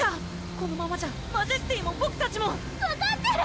このままじゃマジェスティもボクたちも分かってる！